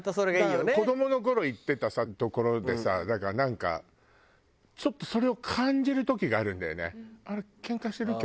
だから子どもの頃行ってた所でさだからなんかちょっとそれを感じる時があるんだよね。